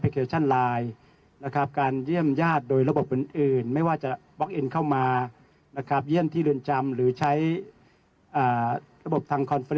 กล้องเอ็นเข้ามานะครับเยี่ยมที่เลือนจำหรือใช้อ่าสะบบทางคอนเฟอร์เน